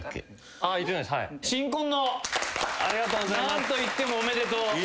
何といってもおめでとう。